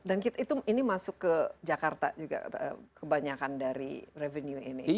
dan ini masuk ke jakarta juga kebanyakan dari revenue ini